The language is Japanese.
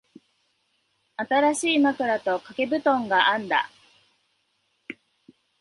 新しい枕と掛け布団があんだ。